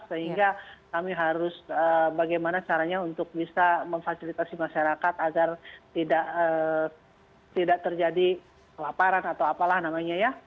sehingga kami harus bagaimana caranya untuk bisa memfasilitasi masyarakat agar tidak terjadi kelaparan atau apalah namanya ya